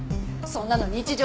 そんなの日常